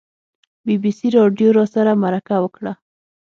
بي بي سي راډیو راسره مرکه وکړه.